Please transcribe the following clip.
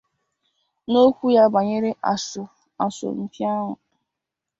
N'okwu ya banyere asọmpi ahụ